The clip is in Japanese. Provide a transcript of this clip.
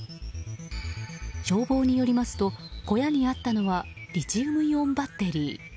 消防によりますと小屋にあったのはリチウムイオンバッテリー。